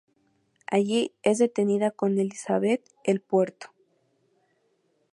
Allí es detenida con Elisabeth El Puerto.